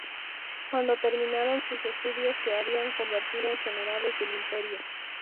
Cuando terminaron sus estudios se habían convertido en generales del imperio.